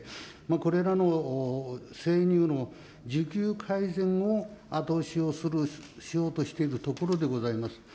これらの生乳の需給改善を、後押しをしようとしているところであります。